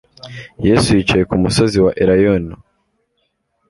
Yesu yicaye ku musozi wa Elayono